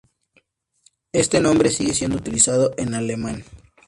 Este nombre sigue siendo utilizado en alemán.